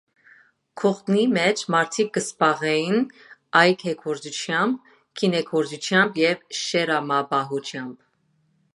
Գողթնի մէջ մարդիկ կը սբաղէին այգեգործութեամբ, գինեգործութեամբ և շերամապահութեամբ։